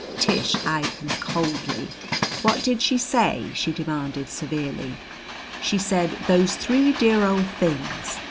Tish eyed him coldly. "What did she say?" she demanded severely. "She said: 'Those three dear old things!'"